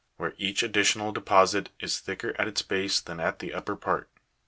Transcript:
210), | where each additional deposit is II thicker at its base than at the upper part.